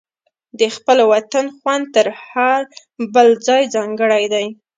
د خپل وطن خوند تر هر بل ځای ځانګړی دی.